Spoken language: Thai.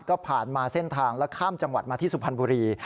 ก็ผ่านมาเส้นทางและข้ามจังหวัดมาที่สุพรรณบุรี